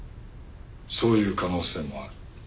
そういう可能性もある。